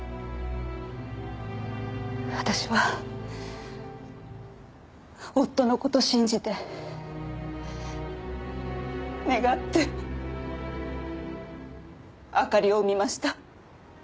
私は夫の子と信じて願ってあかりを産みました。